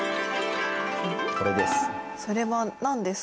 これです。